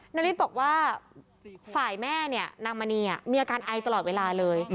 ณฤทธิ์บอกว่าฝ่ายแม่นางมณีมีอาการไอตลอดเวลาเลย